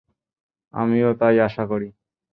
আমিও তাই আশা করি।